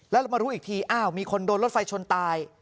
แล้วมารู้อีกทีอ้าวมีคนโดนรถไฟชนตาย